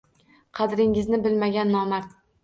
Qadringizni bilmagan nomard